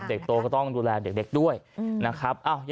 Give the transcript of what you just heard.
เด็กโตก็ต้องดูแลเด็กด้วยนะครับ